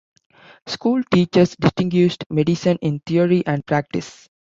School teachers distinguished medicine in theory and practice.